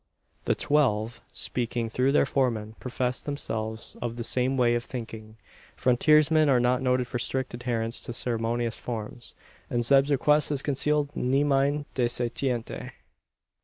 The "twelve," speaking through their foreman, profess themselves of the same way of thinking. Frontiersmen are not noted for strict adherence to ceremonious forms; and Zeb's request is conceded nemine dissentiente.